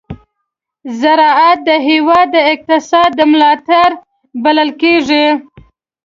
ز راعت د هېواد د اقتصاد د ملا تېر بلل کېږي.